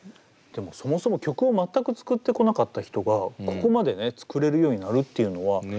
でもそもそも曲を全く作ってこなかった人がここまでね作れるようになるっていうのは何なんでしょうね。